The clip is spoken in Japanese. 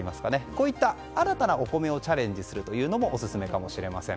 こういった新たなお米にチャレンジするというのもオススメかもしれません。